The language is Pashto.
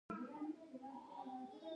سړک د خوراکي توکو انتقال ته زمینه برابروي.